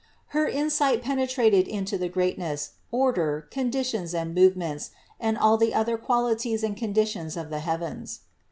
Her in sight penetrated into the greatness, order, conditions, movements and all the other qualities and conditions of the heavens.